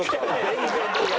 全然違う。